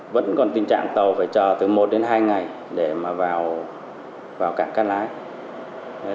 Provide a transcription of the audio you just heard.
vẫn còn tình trạng tàu phải chờ từ một đến hai ngày để mà vào vào cảng cát lái